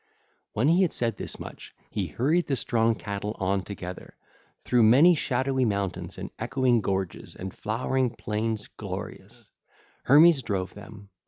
(ll. 94 114) When he had said this much, he hurried the strong cattle on together: through many shadowy mountains and echoing gorges and flowery plains glorious Hermes drove them.